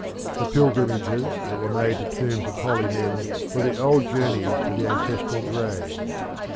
The pilgrimages that were made to the tombs of holy men were the old journeys to the ancestral graves.